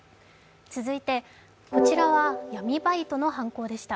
続いて、こちらは闇バイトの犯行でした。